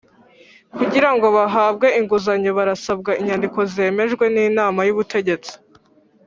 Kugira ngo bahabwe inguzanyo barasabwa inyandiko zemejwe n’inama y’ubutegetsi